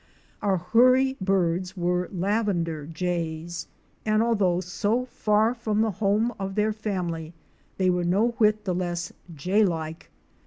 Our Hoorie birds were Lavender Jays " and although so far from the home of their family they were no whit the less Jay like.